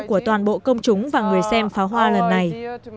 của toàn bộ công chúng và người xem pháo hoa lần này